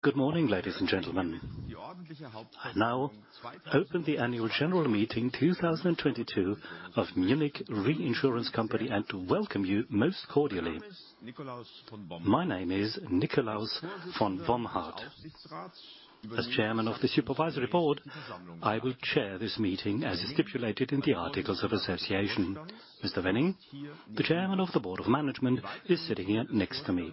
Good morning, ladies and gentlemen. Now open the Annual General Meeting 2022 of Munich Reinsurance Company, and to welcome you most cordially. My name is Nikolaus von Bomhard. As Chairman of the Supervisory Board, I will chair this meeting as stipulated in the articles of association. Mr. Wenning, the Chairman of the Board of Management, is sitting here next to me.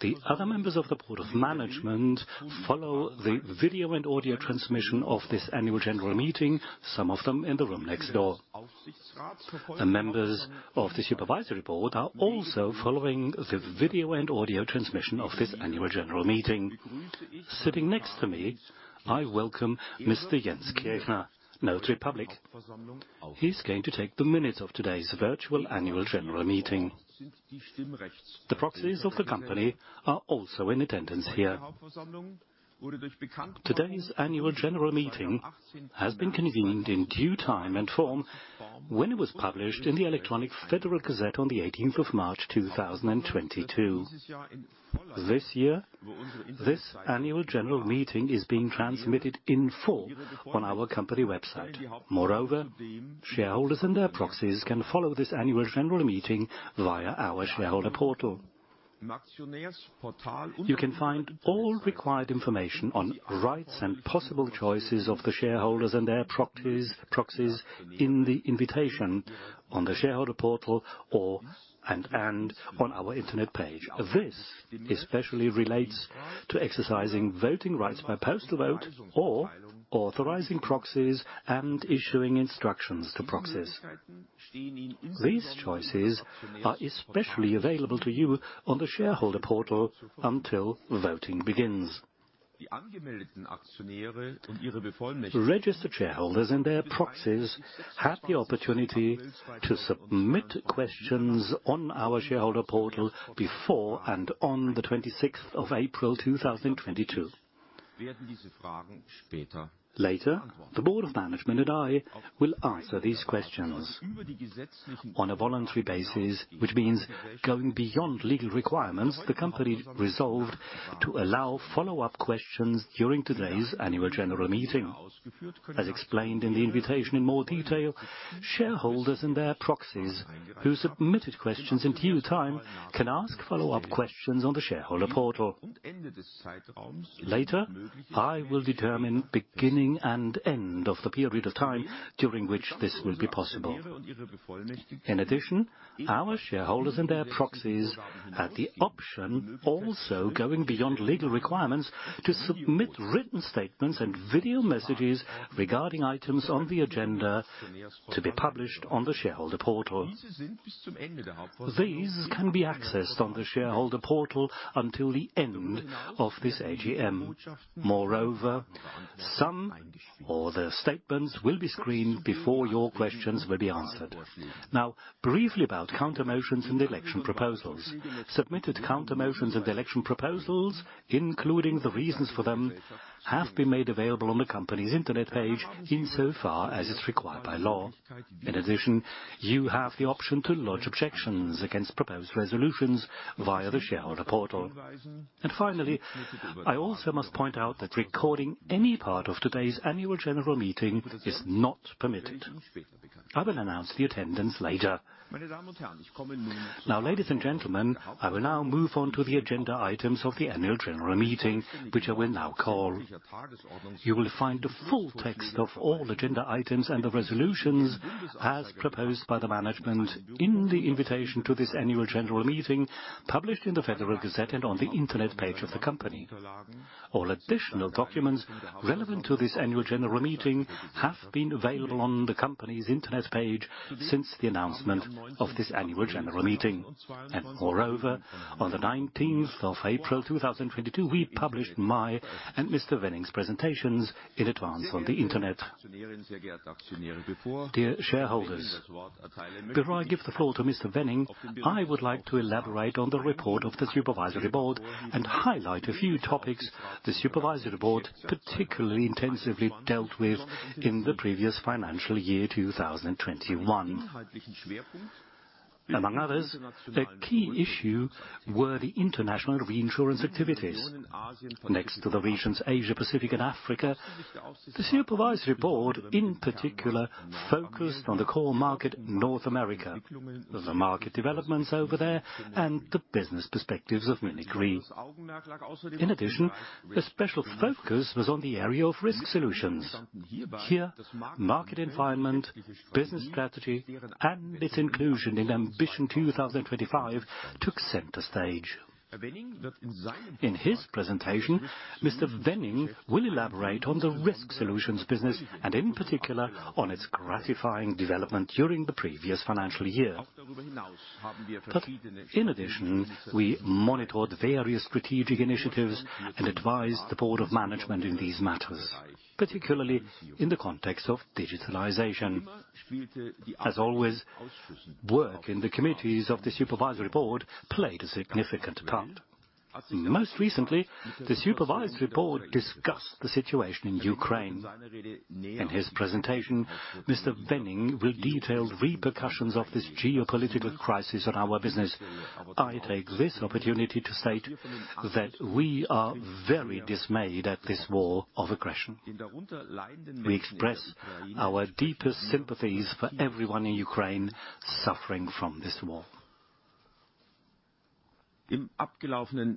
The other members of the Board of Management follow the video and audio transmission of this annual general meeting, some of them in the room next door. The members of the Supervisory Board are also following the video and audio transmission of this annual general meeting. Sitting next to me, I welcome Mr. Jens Kirchner, Notary Public. He's going to take the minutes of today's virtual annual general meeting. The proxies of the company are also in attendance here. Today's annual general meeting has been convened in due time and form when it was published in the Electronic Federal Gazette on the 18th of March 2022. This year, this annual general meeting is being transmitted in full on our company website. Moreover, shareholders and their proxies can follow this annual general meeting via our shareholder portal. You can find all required information on rights and possible choices of the shareholders and their proxies in the invitation on the shareholder portal or on our internet page. This especially relates to exercising voting rights by postal vote or authorizing proxies and issuing instructions to proxies. These choices are especially available to you on the shareholder portal until voting begins. Registered shareholders and their proxies had the opportunity to submit questions on our shareholder portal before and on the 26th of April 2022. Later, the Board of Management and I will answer these questions. On a voluntary basis, which means going beyond legal requirements, the company resolved to allow follow-up questions during today's annual general meeting. As explained in the invitation in more detail, shareholders and their proxies who submitted questions in due time can ask follow-up questions on the shareholder portal. Later, I will determine beginning and end of the period of time during which this will be possible. In addition, our shareholders and their proxies had the option, also going beyond legal requirements, to submit written statements and video messages regarding items on the agenda to be published on the shareholder portal. These can be accessed on the shareholder portal until the end of this AGM. Moreover, some of the statements will be screened before your questions will be answered. Now briefly about countermotions and election proposals. Submitted countermotions and election proposals, including the reasons for them, have been made available on the company's internet page insofar as is required by law. In addition, you have the option to lodge objections against proposed resolutions via the shareholder portal. Finally, I also must point out that recording any part of today's annual general meeting is not permitted. I will announce the attendance later. Now, ladies and gentlemen, I will now move on to the agenda items of the annual general meeting, which I will now call. You will find the full text of all agenda items and the resolutions as proposed by the management in the invitation to this annual general meeting, published in the Federal Gazette and on the internet page of the company. All additional documents relevant to this annual general meeting have been available on the company's internet page since the announcement of this annual general meeting. Moreover, on April 19, 2022, we published my and Mr. Wenning's presentations in advance on the internet. Dear shareholders, before I give the floor to Mr. Wenning, I would like to elaborate on the report of the Supervisory Board and highlight a few topics the Supervisory Board particularly intensively dealt with in the previous financial year 2021. Among others, a key issue were the international Reinsurance activities. Next to the regions Asia-Pacific and Africa, the Supervisory Board in particular focused on the core market North America, on the market developments over there, and the business perspectives of Munich Re. In addition, a special focus was on the area of Risk Solutions. Here, market environment, business strategy, and its inclusion in Ambition 2025 took center stage. In his presentation, Mr. Wenning will elaborate on the Risk Solutions business and in particular on its gratifying development during the previous financial year. In addition, we monitored various strategic initiatives and advised the Board of Management in these matters, particularly in the context of digitalization. As always, work in the committees of the Supervisory Board played a significant part. Most recently, the Supervisory Board discussed the situation in Ukraine. In his presentation, Mr. Wenning will detail repercussions of this geopolitical crisis on our business. I take this opportunity to state that we are very dismayed at this war of aggression. We express our deepest sympathies for everyone in Ukraine suffering from this war. During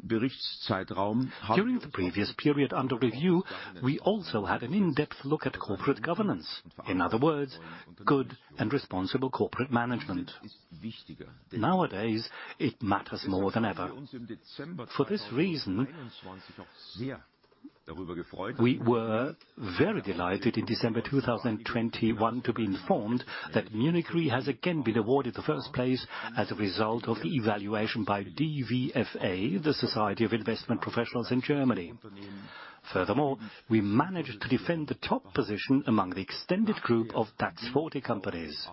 the previous period under review, we also had an in-depth look at corporate governance. In other words, good and responsible corporate management. Nowadays, it matters more than ever. For this reason, we were very delighted in December 2021 to be informed that Munich Re has again been awarded the first place as a result of the evaluation by DVFA, the Society of Investment Professionals in Germany. Furthermore, we managed to defend the top position among the extended group of DAX 40 companies.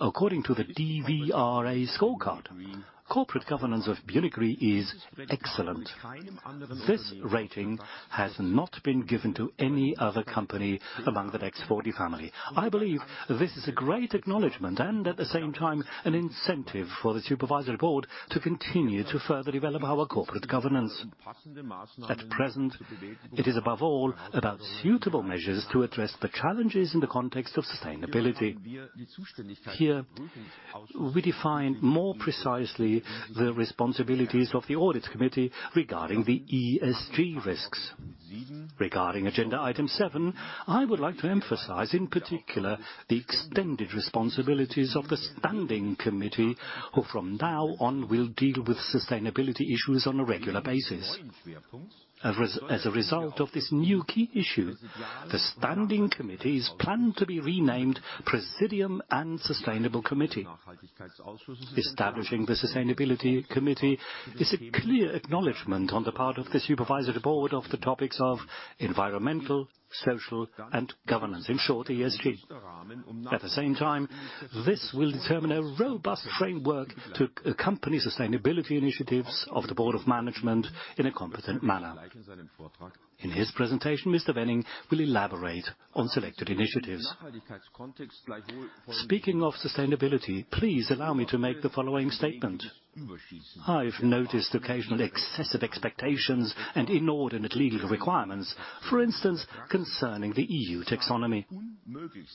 According to the DVFA scorecard, corporate governance of Munich Re is excellent. This rating has not been given to any other company among the DAX 40 family. I believe this is a great acknowledgement and at the same time an incentive for the Supervisory Board to continue to further develop our corporate governance. At present, it is above all about suitable measures to address the challenges in the context of sustainability. Here we define more precisely the responsibilities of the audit committee regarding the ESG risks. Regarding agenda item seven, I would like to emphasize in particular the extended responsibilities of the standing committee, who from now on will deal with sustainability issues on a regular basis. As a result of this new key issue, the standing committees plan to be renamed Presidium and Sustainability Committee. Establishing the Sustainability Committee is a clear acknowledgement on the part of the Supervisory Board of the topics of environmental, social, and governance. In short, ESG. At the same time, this will determine a robust framework to accompany sustainability initiatives of the Board of Management in a competent manner. In his presentation, Mr. Wenning will elaborate on selected initiatives. Speaking of sustainability, please allow me to make the following statement. I've noticed occasional excessive expectations and inordinate legal requirements. For instance, concerning the E.U. taxonomy.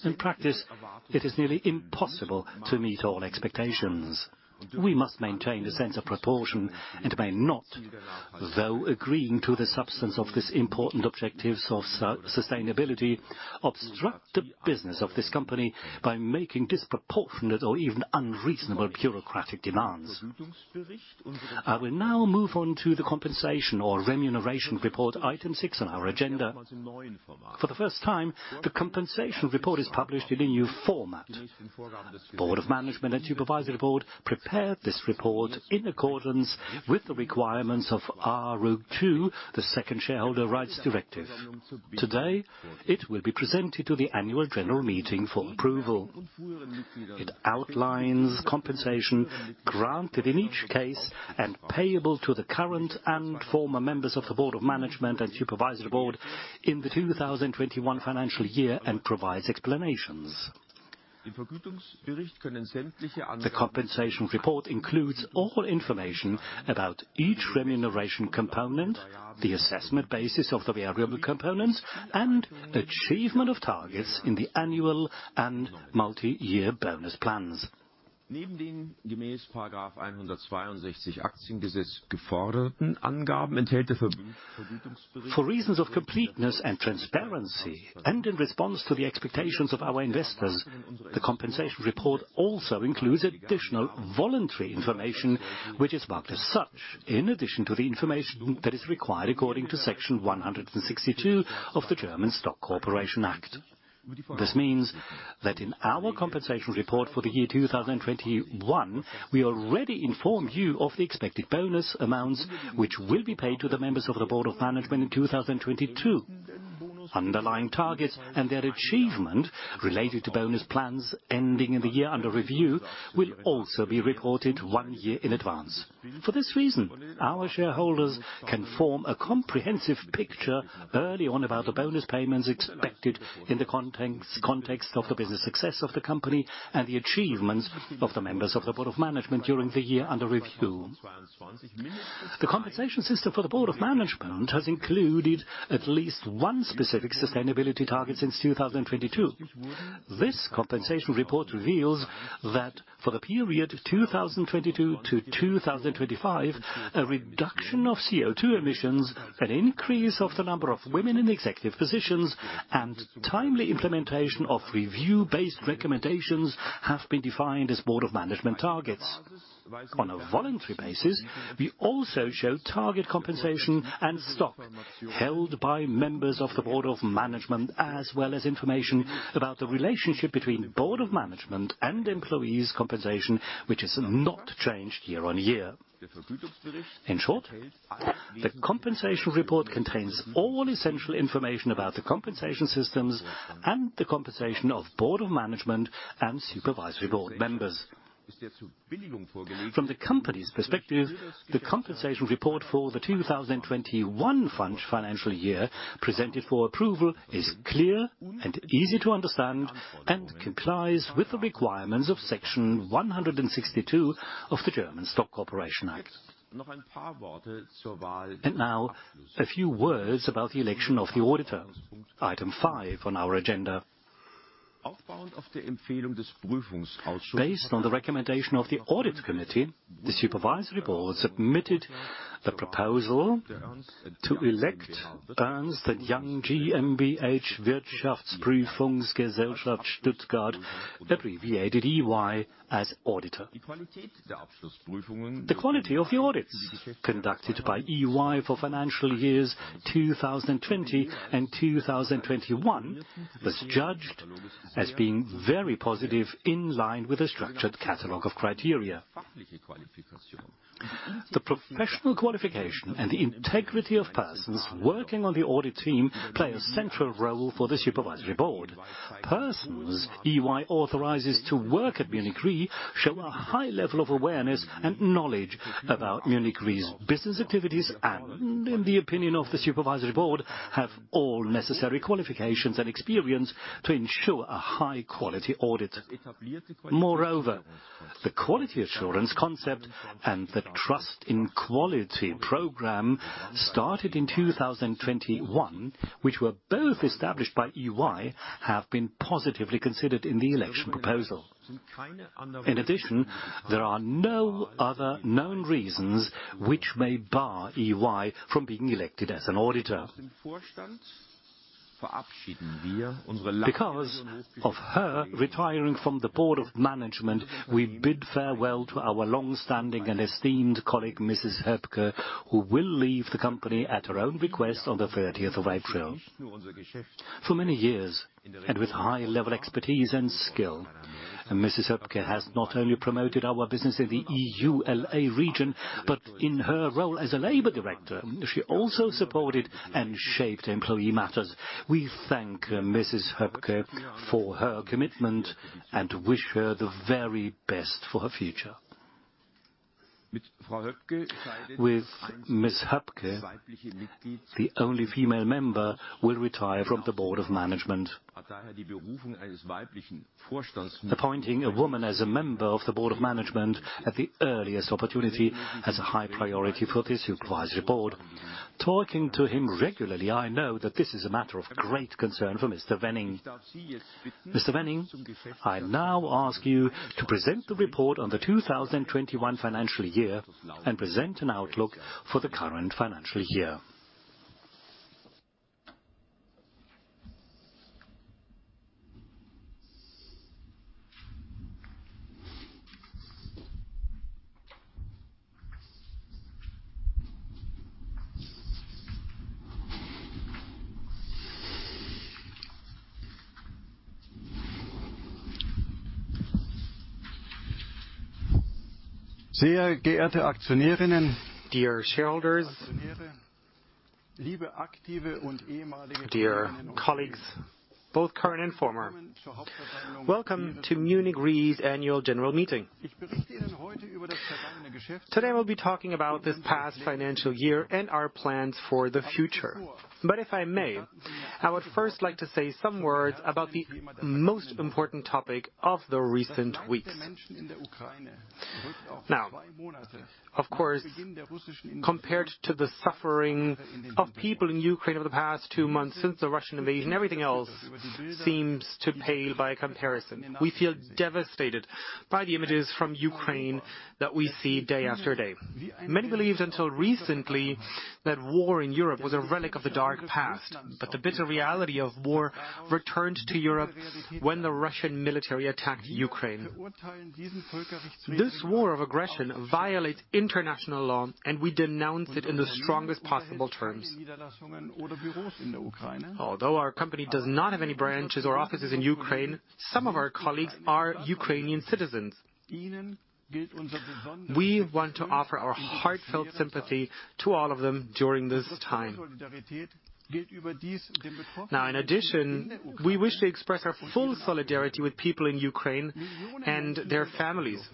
In practice, it is nearly impossible to meet all expectations. We must maintain the sense of proportion and may not, though agreeing to the substance of this important objectives of sustainability, obstruct the business of this company by making disproportionate or even unreasonable bureaucratic demands. I will now move on to the compensation or remuneration report, item six on our agenda. For the first time, the compensation report is published in a new format. Board of Management and Supervisory Board prepared this report in accordance with the requirements of SRD II, the second shareholder rights directive. Today, it will be presented to the annual general meeting for approval. It outlines compensation granted in each case and payable to the current and former members of the Board of Management and Supervisory Board in the 2021 financial year and provides explanations. The compensation report includes all information about each remuneration component, the assessment basis of the variable components, and achievement of targets in the annual and multi-year bonus plans. For reasons of completeness and transparency and in response to the expectations of our investors, the compensation report also includes additional voluntary information, which is marked as such in addition to the information that is required according to Section 162 of the German Stock Corporation Act. This means that in our compensation report for the year 2021, we already informed you of the expected bonus amounts, which will be paid to the members of the Board of Management in 2022. Underlying targets and their achievement related to bonus plans ending in the year under review will also be reported one year in advance. For this reason, our shareholders can form a comprehensive picture early on about the bonus payments expected in the context of the business success of the company and the achievements of the members of the Board of Management during the year under review. The compensation system for the Board of Management has included at least one specific sustainability target since 2022. This compensation report reveals that for the period 2022-2025, a reduction of CO₂ emissions, an increase of the number of women in executive positions, and timely implementation of review-based recommendations have been defined as Board of Management targets. On a voluntary basis, we also show target compensation and stock held by members of the Board of Management, as well as information about the relationship between Board of Management and employees' compensation, which has not changed year on year. In short, the compensation report contains all essential information about the compensation systems and the compensation of Board of Management and Supervisory Board members. From the company's perspective, the compensation report for the 2021 financial year presented for approval is clear and easy to understand and complies with the requirements of Section 162 of the German Stock Corporation Act. Now a few words about the election of the auditor, item five on our agenda. Based on the recommendation of the audit committee, the Supervisory Board submitted the proposal to elect Ernst & Young GmbH Wirtschaftsprüfungsgesellschaft, Stuttgart, abbreviated EY as auditor. The quality of the audits conducted by EY for financial years 2020 and 2021 was judged as being very positive in line with a structured catalog of criteria. The professional qualification and the integrity of persons working on the audit team play a central role for the Supervisory Board. Persons EY authorizes to work at Munich Re show a high level of awareness and knowledge about Munich Re's business activities and, in the opinion of the Supervisory Board, have all necessary qualifications and experience to ensure a high-quality audit. Moreover, the quality assurance concept and the Trust in Quality program started in 2021, which were both established by EY, have been positively considered in the election proposal. In addition, there are no other known reasons which may bar EY from being elected as an auditor. Because of her retiring from the Board of Management, we bid farewell to our long-standing and esteemed colleague, Mrs. Höpke, who will leave the company at her own request on the 30th of April. For many years, and with high-level expertise and skill, Mrs. Höpke has not only promoted our business in the EMEA region, but in her role as a labor director, she also supported and shaped employee matters. We thank Mrs. Höpke for her commitment and wish her the very best for her future. With Mrs. Höpke, the only female member will retire from the Board of Management. Appointing a woman as a member of the Board of Management at the earliest opportunity has a high priority for the Supervisory Board. Talking to him regularly, I know that this is a matter of great concern for Mr. Wenning. Mr. Wenning, I now ask you to present the report on the 2021 financial year and present an outlook for the current financial year. Dear shareholders, dear colleagues, both current and former, welcome to Munich Re's annual general meeting. Today, I will be talking about this past financial year and our plans for the future. If I may, I would first like to say some words about the most important topic of the recent weeks. Now, of course, compared to the suffering of people in Ukraine over the past two months since the Russian invasion, everything else seems to pale by comparison. We feel devastated by the images from Ukraine that we see day after day. Many believed until recently that war in Europe was a relic of the dark past, but the bitter reality of war returned to Europe when the Russian military attacked Ukraine. This war of aggression violates international law, and we denounce it in the strongest possible terms. Although our company does not have any branches or offices in Ukraine, some of our colleagues are Ukrainian citizens. We want to offer our heartfelt sympathy to all of them during this time. Now, in addition, we wish to express our full solidarity with people in Ukraine and their families.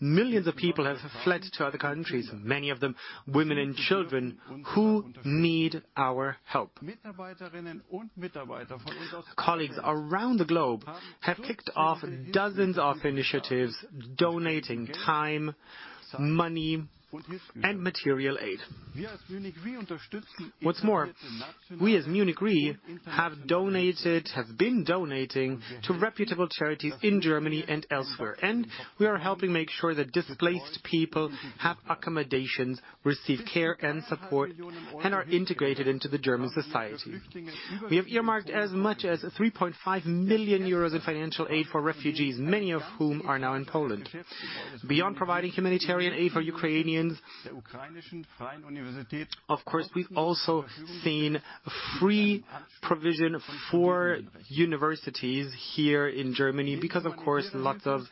Millions of people have fled to other countries, many of them women and children who need our help. Colleagues around the globe have kicked off dozens of initiatives, donating time, money, and material aid. What's more, we as Munich Re have been donating to reputable charities in Germany and elsewhere, and we are helping make sure that displaced people have accommodations, receive care and support, and are integrated into the German society. We have earmarked as much as 3.5 million euros in financial aid for refugees, many of whom are now in Poland. Beyond providing humanitarian aid for Ukrainians, of course, we've also seen free provision for universities here in Germany because, of course, lots of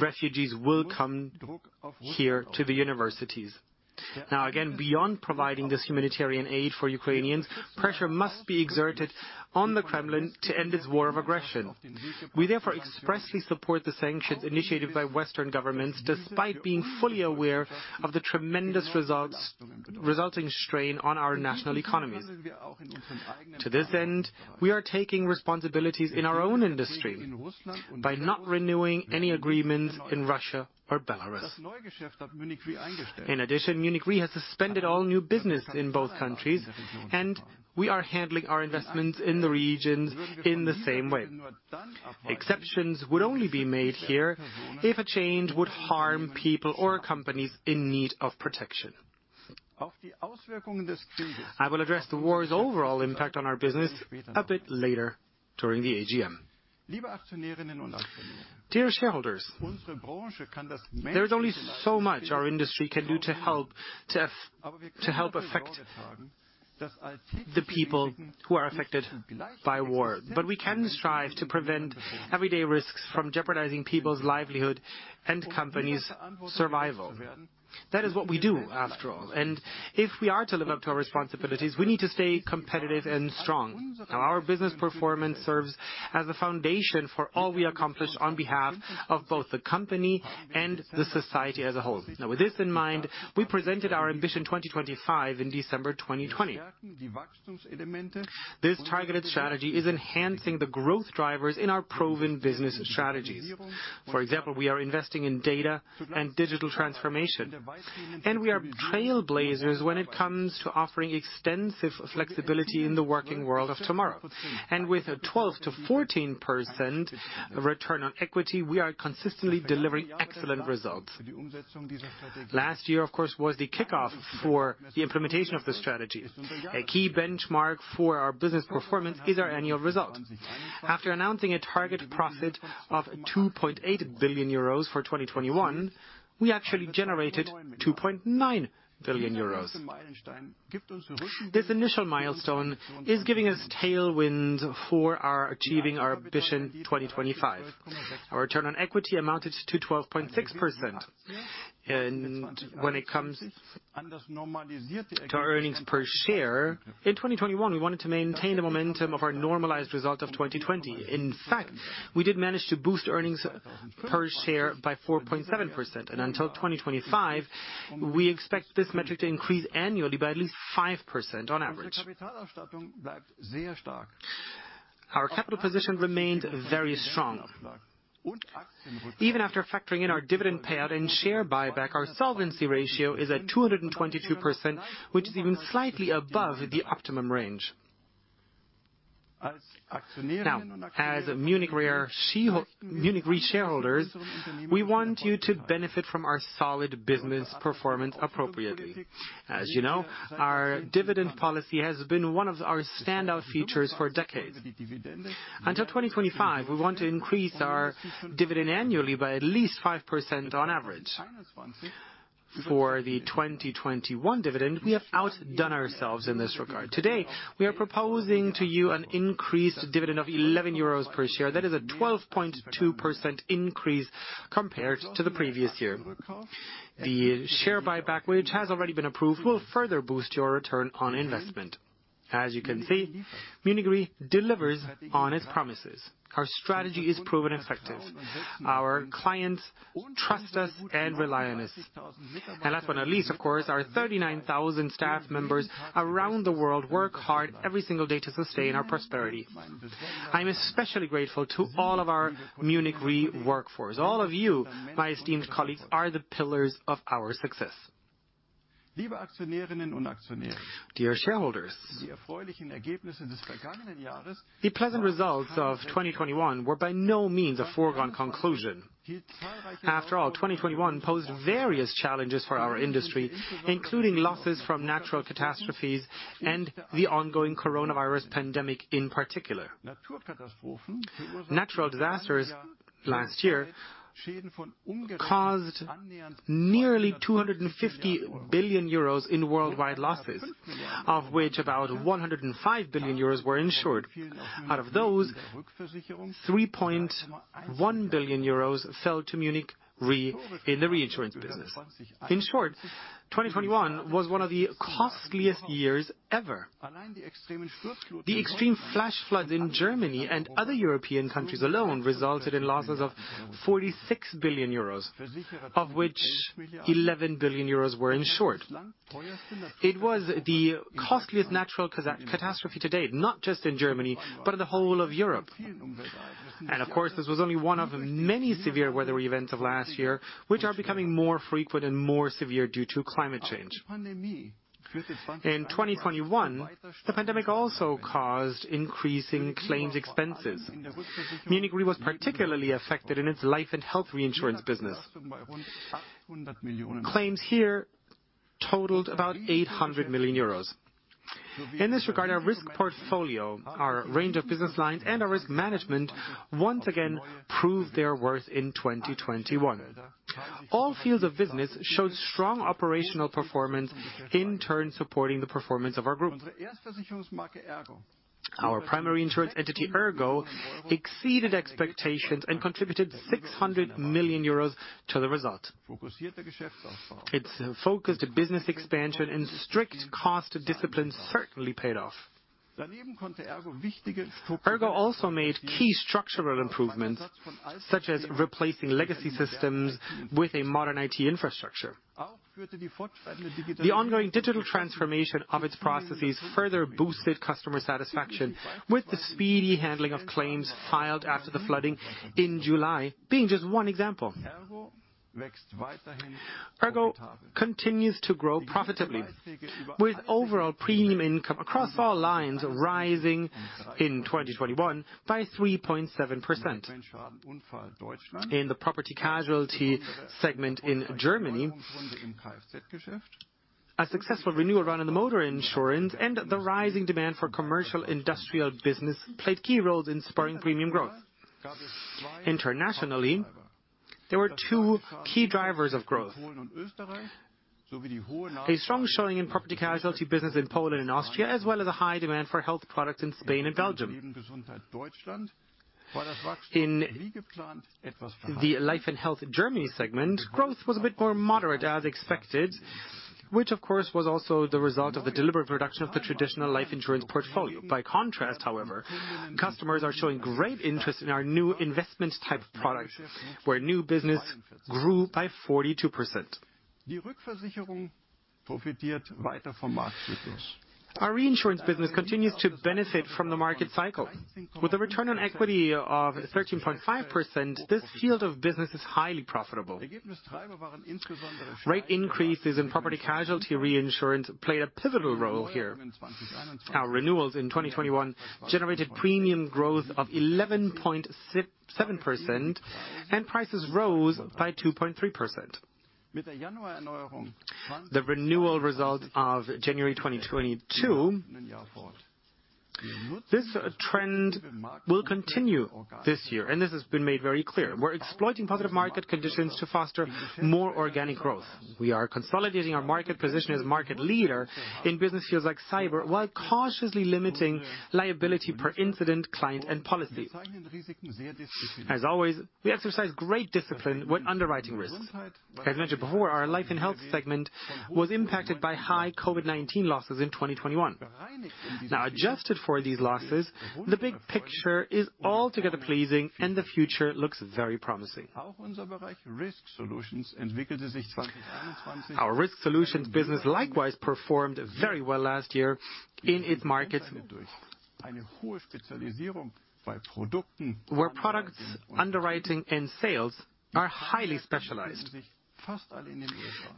refugees will come here to the universities. Now, again, beyond providing this humanitarian aid for Ukrainians, pressure must be exerted on the Kremlin to end its war of aggression. We therefore expressly support the sanctions initiated by Western governments, despite being fully aware of the tremendous resulting strain on our national economies. To this end, we are taking responsibilities in our own industry by not renewing any agreements in Russia or Belarus. In addition, Munich Re has suspended all new business in both countries, and we are handling our investments in the regions in the same way. Exceptions would only be made here if a change would harm people or companies in need of protection. I will address the war's overall impact on our business a bit later during the AGM. Dear shareholders, there is only so much our industry can do to help affect the people who are affected by war. We can strive to prevent everyday risks from jeopardizing people's livelihood and companies' survival. That is what we do, after all. If we are to live up to our responsibilities, we need to stay competitive and strong. Now, our business performance serves as a foundation for all we accomplish on behalf of both the company and the society as a whole. Now, with this in mind, we presented our Ambition 2025 in December 2020. This targeted strategy is enhancing the growth drivers in our proven business strategies. For example, we are investing in data and digital transformation. We are trailblazers when it comes to offering extensive flexibility in the working world of tomorrow. With a 12%-14% return on equity, we are consistently delivering excellent results. Last year, of course, was the kickoff for the implementation of the strategies. A key benchmark for our business performance is our annual results. After announcing a target profit of 2.8 billion euros for 2021, we actually generated 2.9 billion euros. This initial milestone is giving us tailwind for our achieving our Ambition 2025. Our return on equity amounted to 12.6%. When it comes to earnings per share, in 2021, we wanted to maintain the momentum of our normalized result of 2020. In fact, we did manage to boost earnings per share by 4.7%. Until 2025, we expect this metric to increase annually by at least 5% on average. Our capital position remained very strong. Even after factoring in our dividend payout and share buyback, our solvency ratio is at 222%, which is even slightly above the optimum range. Now, as Munich Re shareholders, we want you to benefit from our solid business performance appropriately. As you know, our dividend policy has been one of our standout features for decades. Until 2025, we want to increase our dividend annually by at least 5% on average. For the 2021 dividend, we have outdone ourselves in this regard. Today, we are proposing to you an increased dividend of 11 euros per share. That is a 12.2% increase compared to the previous year. The share buyback, which has already been approved, will further boost your return on investment. As you can see, Munich Re delivers on its promises. Our strategy is proven effective. Our clients trust us and rely on us. Last but not least, of course, our 39,000 staff members around the world work hard every single day to sustain our prosperity. I'm especially grateful to all of our Munich Re workforce. All of you, my esteemed colleagues, are the pillars of our success. Dear shareholders, the pleasant results of 2021 were by no means a foregone conclusion. After all, 2021 posed various challenges for our industry, including losses from natural catastrophes and the ongoing coronavirus pandemic in particular. Natural disasters last year caused nearly 250 billion euros in worldwide losses, of which about 105 billion euros were insured. Out of those, 3.1 billion euros fell to Munich Re in the Reinsurance business. In short, 2021 was one of the costliest years ever. The extreme flash floods in Germany and other European countries alone resulted in losses of 46 billion euros, of which 11 billion euros were insured. It was the costliest natural catastrophe to date, not just in Germany, but in the whole of Europe. Of course, this was only one of many severe weather events of last year, which are becoming more frequent and more severe due to climate change. In 2021, the pandemic also caused increasing claims expenses. Munich Re was particularly affected in its life and health Reinsurance business. Claims here totaled about 800 million euros. In this regard, our risk portfolio, our range of business lines and our risk management once again proved their worth in 2021. All fields of business showed strong operational performance. In turn, supporting the performance of our group. Our Primary Insurance entity, ERGO, exceeded expectations and contributed 600 million euros to the result. It's focused business expansion and strict cost discipline certainly paid off. ERGO also made key structural improvements, such as replacing legacy systems with a modern IT infrastructure. The ongoing digital transformation of its processes further boosted customer satisfaction with the speedy handling of claims filed after the flooding in July, being just one example. ERGO continues to grow profitably. With overall premium income across all lines rising in 2021 by 3.7%. In the property-casualty segment in Germany, a successful renewal run in the motor insurance and the rising demand for commercial industrial business played key roles in spurring premium growth. Internationally, there were two key drivers of growth. A strong showing in property-casualty business in Poland and Austria, as well as a high demand for health products in Spain and Belgium. In the life and health Germany segment, growth was a bit more moderate as expected, which of course, was also the result of the deliberate reduction of the traditional life insurance portfolio. By contrast, however, customers are showing great interest in our new investment-type product, where new business grew by 42%. Our Reinsurance business continues to benefit from the market cycle. With a return on equity of 13.5%, this field of business is highly profitable. Rate increases in property-casualty Reinsurance played a pivotal role here. Our renewals in 2021 generated premium growth of 11.7%, and prices rose by 2.3%. The renewal result of January 2022, this trend will continue this year, and this has been made very clear. We're exploiting positive market conditions to foster more organic growth. We are consolidating our market position as market leader in business fields like cyber, while cautiously limiting liability per incident, client, and policy. As always, we exercise great discipline when underwriting risks. As mentioned before, our life and health segment was impacted by high COVID-19 losses in 2021. Now, adjusted for these losses, the big picture is altogether pleasing and the future looks very promising. Our Risk Solutions business likewise performed very well last year in its markets, where products underwriting and sales are highly specialized.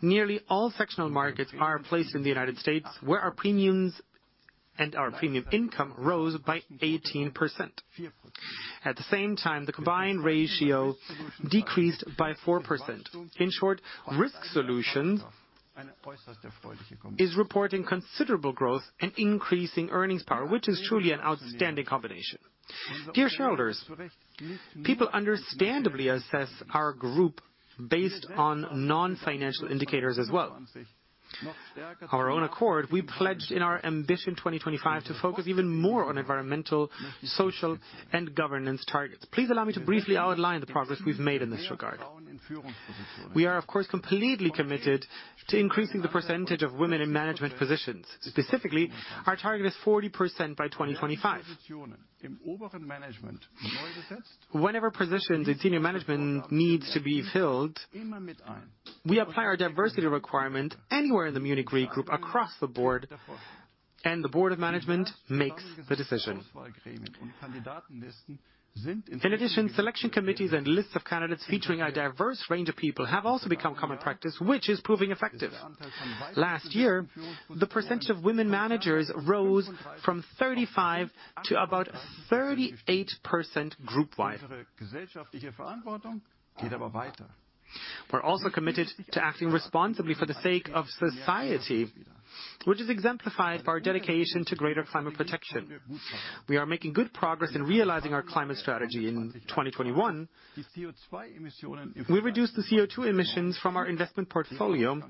Nearly all specialty markets are placed in the United States, where our premiums and our premium income rose by 18%. At the same time, the combined ratio decreased by 4%. In short, Risk Solutions is reporting considerable growth and increasing earnings power, which is truly an outstanding combination. Dear shareholders, people understandably assess our group based on non-financial indicators as well. Of our own accord, we pledged in our Ambition 2025 to focus even more on environmental, social, and governance targets. Please allow me to briefly outline the progress we've made in this regard. We are, of course, completely committed to increasing the percentage of women in management positions. Specifically, our target is 40% by 2025. Whenever positions in senior management needs to be filled, we apply our diversity requirement anywhere in the Munich Re group across the board, and the board of management makes the decision. In addition, selection committees and lists of candidates featuring a diverse range of people have also become common practice, which is proving effective. Last year, the percentage of women managers rose from 35% to about 38% group-wide. We're also committed to acting responsibly for the sake of society, which is exemplified by our dedication to greater climate protection. We are making good progress in realizing our climate strategy in 2021. We reduced the CO2 emissions from our investment portfolio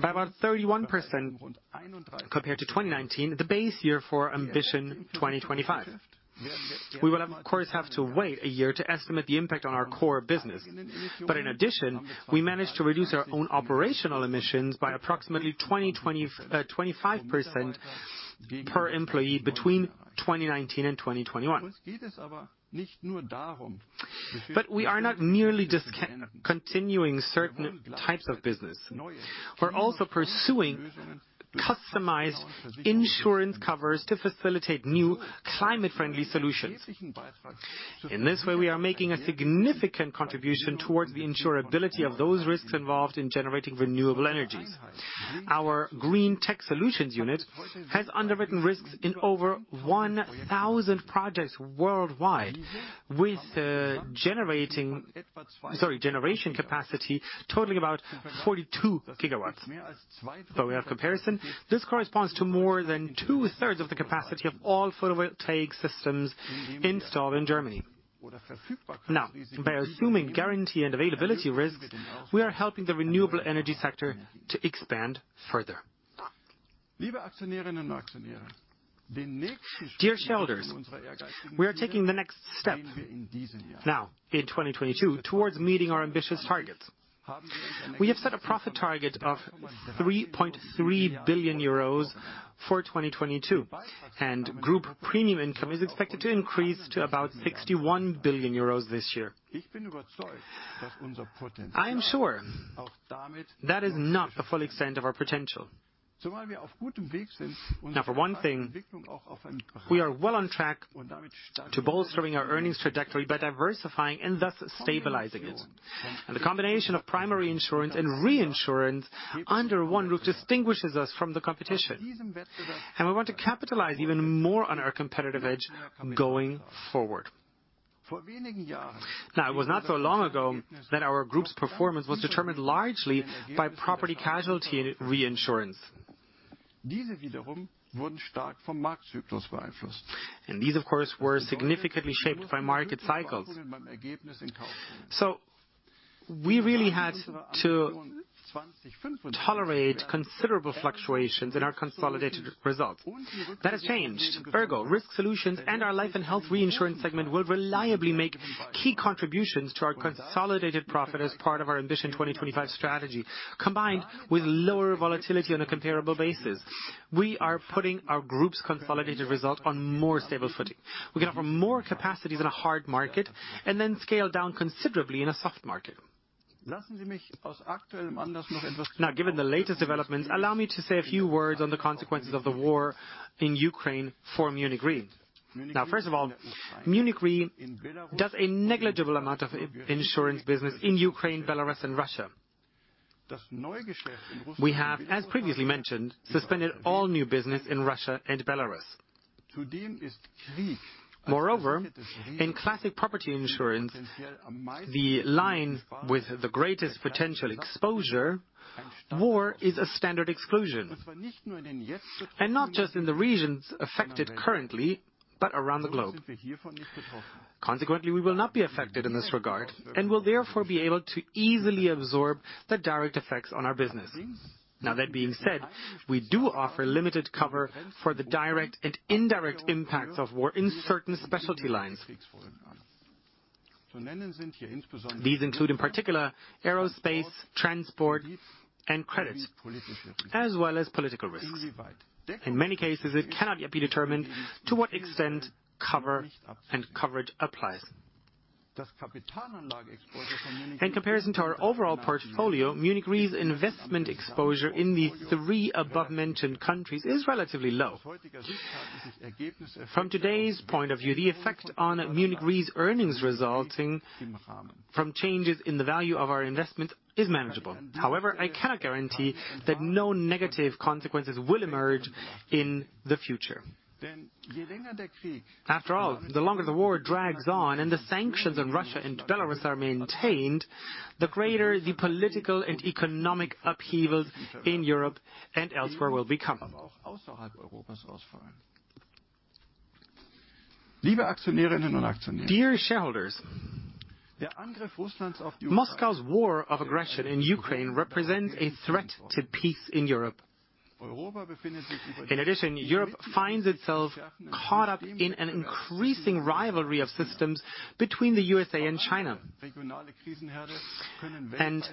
by about 31% compared to 2019, the base year for Ambition 2025. We will, of course, have to wait a year to estimate the impact on our core business. In addition, we managed to reduce our own operational emissions by approximately 25% per employee between 2019 and 2021. We are not merely just continuing certain types of business. We're also pursuing customized insurance covers to facilitate new climate friendly solutions. In this way, we are making a significant contribution towards the insurability of those risks involved in generating renewable energies. Our Green Tech Solutions unit has underwritten risks in over 1,000 projects worldwide. With generation capacity totaling about 42 GW. For comparison, this corresponds to more than 2/3 of the capacity of all photovoltaic systems installed in Germany. Now, by assuming guarantee and availability risks, we are helping the renewable energy sector to expand further. Dear shareholders, we are taking the next step now in 2022 towards meeting our ambitious targets. We have set a profit target of 3.3 billion euros for 2022, and group premium income is expected to increase to about 61 billion euros this year. I am sure that is not the full extent of our potential. Now, for one thing, we are well on track to bolstering our earnings trajectory by diversifying and thus stabilizing it. The combination of Primary Insurance and Reinsurance under one roof distinguishes us from the competition. We want to capitalize even more on our competitive edge going forward. Now, it was not so long ago that our group's performance was determined largely by Property-Casualty Reinsurance. These of course, were significantly shaped by market cycles. We really had to tolerate considerable fluctuations in our consolidated results. That has changed. ERGO, Risk Solutions and our Life and Health Reinsurance segment will reliably make key contributions to our consolidated profit as part of our Ambition 2025 strategy, combined with lower volatility on a comparable basis. We are putting our group's consolidated result on more stable footing. We can offer more capacities in a hard market and then scale down considerably in a soft market. Now, given the latest developments, allow me to say a few words on the consequences of the war in Ukraine for Munich Re. Now, first of all, Munich Re does a negligible amount of insurance business in Ukraine, Belarus, and Russia. We have, as previously mentioned, suspended all new business in Russia and Belarus. Moreover, in classic property insurance, the line with the greatest potential exposure, war is a standard exclusion. Not just in the regions affected currently, but around the globe. Consequently, we will not be affected in this regard and will therefore be able to easily absorb the direct effects on our business. Now, that being said, we do offer limited cover for the direct and indirect impacts of war in certain specialty lines. These include, in particular, aerospace, transport, and credit, as well as political risks. In many cases, it cannot yet be determined to what extent cover and coverage applies. In comparison to our overall portfolio, Munich Re investment exposure in the three above-mentioned countries is relatively low. From today's point of view, the effect on Munich Re earnings resulting from changes in the value of our investment is manageable. However, I cannot guarantee that no negative consequences will emerge in the future. After all, the longer the war drags on and the sanctions on Russia and Belarus are maintained, the greater the political and economic upheavals in Europe and elsewhere will become. Dear shareholders, Moscow's war of aggression in Ukraine represents a threat to peace in Europe. In addition, Europe finds itself caught up in an increasing rivalry of systems between the USA and China. An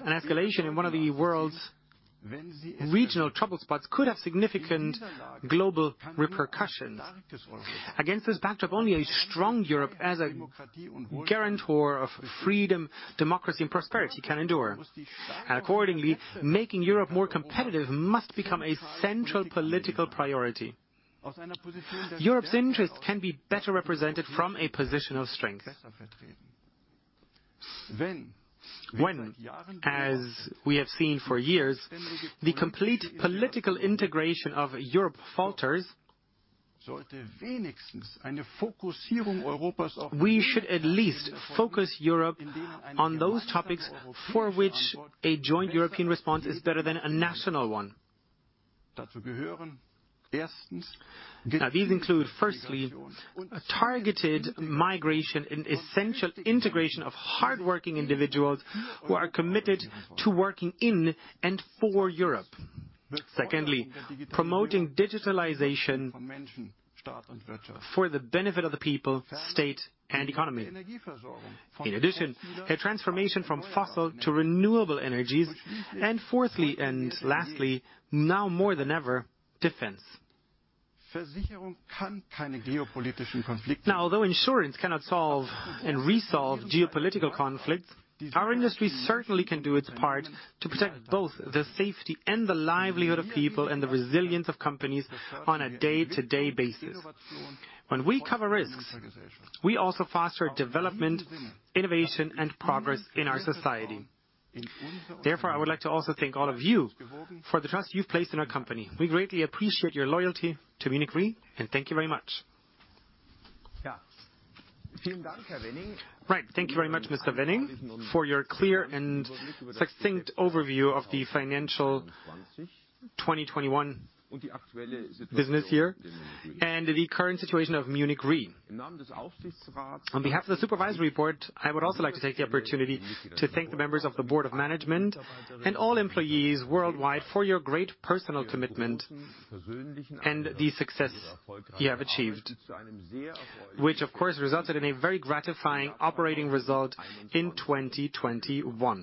escalation in one of the world's regional trouble spots could have significant global repercussions. Against this backdrop, only a strong Europe as a guarantor of freedom, democracy, and prosperity can endure. Accordingly, making Europe more competitive must become a central political priority. Europe's interests can be better represented from a position of strength. When, as we have seen for years, the complete political integration of Europe falters, we should at least focus Europe on those topics for which a joint European response is better than a national one. Now, these include, firstly, a targeted migration and essential integration of hardworking individuals who are committed to working in and for Europe. Secondly, promoting digitalization for the benefit of the people, state, and economy. In addition, a transformation from fossil to renewable energies. Fourthly and lastly, now more than ever, defense. Now, although insurance cannot solve and resolve geopolitical conflicts, our industry certainly can do its part to protect both the safety and the livelihood of people and the resilience of companies on a day-to-day basis. When we cover risks, we also foster development, innovation, and progress in our society. Therefore, I would like to also thank all of you for the trust you've placed in our company. We greatly appreciate your loyalty to Munich Re, and thank you very much. Right. Thank you very much, Mr. Wenning, for your clear and succinct overview of the financial 2021 business year and the current situation of Munich Re. On behalf of the Supervisory Board, I would also like to take the opportunity to thank the members of the Board of Management and all employees worldwide for your great personal commitment and the success you have achieved, which of course, resulted in a very gratifying operating result in 2021.